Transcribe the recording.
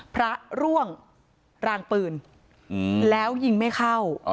พระร่วงรางปืนแล้วยิงไม่เข้า